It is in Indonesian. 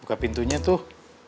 buka pintunya tuh